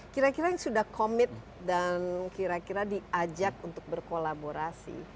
kira kira yang sudah commit dan kira kira diajak untuk berkolaborasi